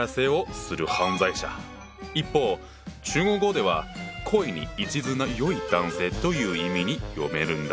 一方中国語では「恋に一途な良い男性」という意味に読めるんだ。